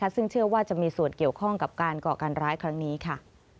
ซึ่งเชื่อว่าจะมีส่วนเกี่ยวข้องกับการก่อการร้ายครั้งนี้ค่ะ